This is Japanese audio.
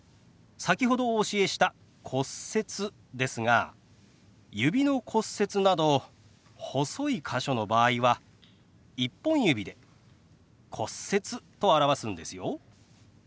先ほどお教えした「骨折」ですが指の骨折など細い箇所の場合は１本指で「骨折」と表すんですよ。